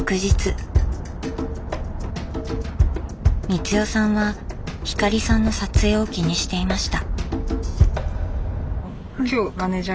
光代さんは光さんの撮影を気にしていました。